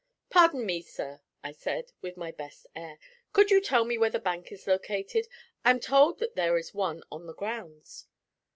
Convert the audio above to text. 'Pardon me, sir,' I said, with my best air. 'Could you tell me where the bank is located? I am told that there is one on the grounds.'